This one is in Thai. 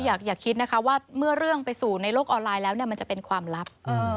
อยากคิดว่าเมื่อเรื่องไปสู่โลกออนไลน์แล้วจะเป็นความลับ